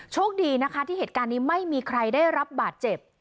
โชคดีนะคะที่เหตุการณ์นี้ไม่มีใครได้รับบาดเจ็บ